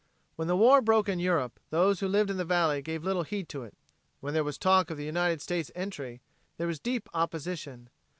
When the war broke in Europe, those who lived in the valley gave little heed to it. When there was talk of the United States' entry, there was deep opposition.